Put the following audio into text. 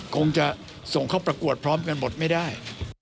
คงจะส่งเข้าประกวดพร้อมกันหมดไม่ได้